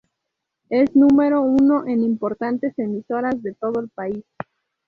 Es número uno en importantes emisoras de todo el país.